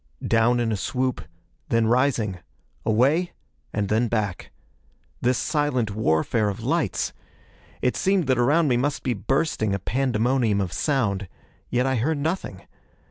Down in a swoop. Then rising. Away, and then back. This silent warfare of lights! It seemed that around me must be bursting a pandemonium of sound. Yet I heard nothing.